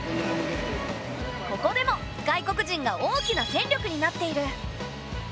ここでも外国人が大きな戦力になっている。